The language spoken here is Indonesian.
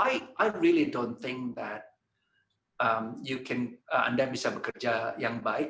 i really don't think that anda bisa bekerja yang baik